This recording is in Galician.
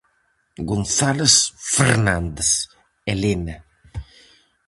González Fernández, Helena.